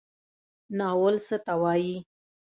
ناول څه ته وایي؟